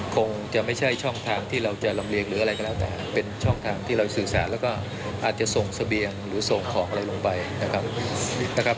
คงจะไม่ใช่ช่องทางที่เราจะลำเรียงหรืออะไรก็แล้วแต่เป็นช่องทางที่เราสื่อสารแล้วก็อาจจะส่งเสบียงหรือส่งของอะไรลงไปนะครับ